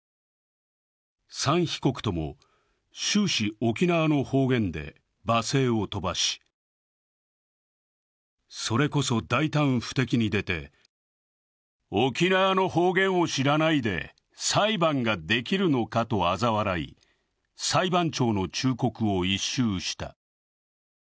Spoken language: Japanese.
３被告とも終始沖縄の方言で終始罵声を飛ばし、それこそ大胆不敵に出て沖縄の方言を知らないで裁判ができるのか？とあざ笑い、裁判長の忠告を一蹴した。